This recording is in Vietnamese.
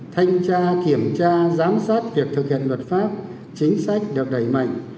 thanh tra kiểm tra giám sát việc thực hiện luật pháp chính sách được đẩy mạnh